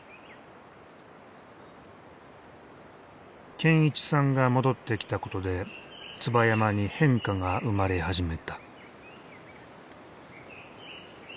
健一さんが戻ってきたことで椿山に変化が生まれ始めた。